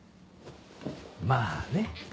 まあね。